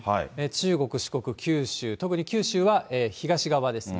中国、四国、九州、特に九州は東側ですね。